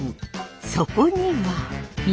そこには。